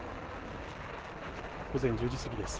午前１０時過ぎです。